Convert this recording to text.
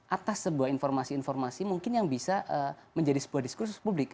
atas sebuah informasi informasi mungkin yang bisa menjadi sebuah diskursus publik